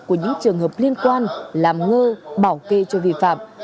của những trường hợp liên quan làm ngơ bảo kê cho vi phạm